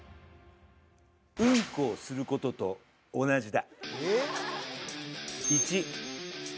「うんこをすることと同じだ」